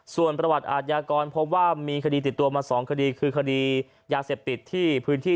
ส่วนประวัติอาทยากรพบว่ามีคดีติดตัวมา๒คดีคือคดียาเสพติดที่พื้นที่